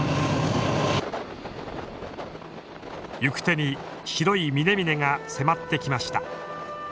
行く手に白い峰々が迫ってきました。